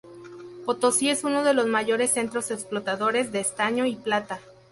Potosí es uno de los mayores centros explotadores de estaño y plata.